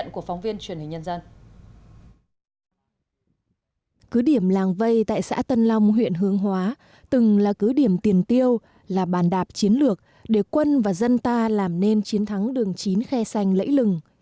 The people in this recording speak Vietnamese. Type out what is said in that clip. cứ điểm làng vây tại xã tân long huyện hướng hóa từng là cứ điểm tiền tiêu là bàn đạp chiến lược để quân và dân ta làm nên chiến thắng đường chín khe xanh lẫy lừng